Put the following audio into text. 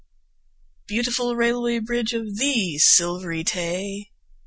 Beautiful Railway Bridge of the Silvery Tay!